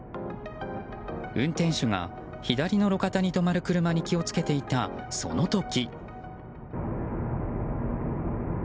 運転手が、左の路肩に止まる車に気を付けていたその時。